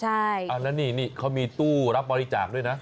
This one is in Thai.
ใช่แล้วนี่เขามีตู้รับบริจาคด้วยนะ